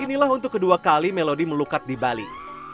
inilah untuk kedua kali melodi melukat di bali